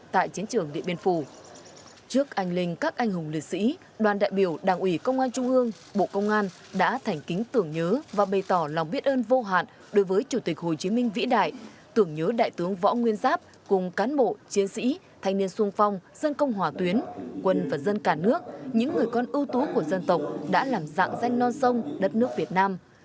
trước anh linh các anh hùng liệt sĩ đoàn đại biểu đảng ủy công an trung ương bộ công an đã thành kính tưởng nhớ và bày tỏ lòng biết ơn vô hạn đối với chủ tịch hồ chí minh vĩ đại tưởng nhớ đại tướng võ nguyên giáp cùng cán bộ chiến sĩ thanh niên xuân phong dân công hòa tuyến quân và dân cả nước những người con ưu tú của dân tộc đã làm dạng danh non sông đất nước việt nam